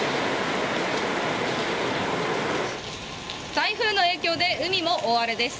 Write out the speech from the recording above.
台風の影響で海も大荒れです。